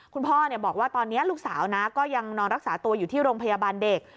คุณพ่อบอกว่าตอนนี้ลูกสาวนะก็ยังนอนรักษาตัวอยู่ที่โรงพยาบาลเด็ก